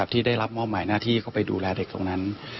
ที่ได้รับมอบหมายหน้าที่เข้าไปดูแลเด็กตรงนั้น